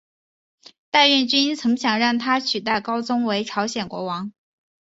大院君曾想让他取代高宗为朝鲜国王。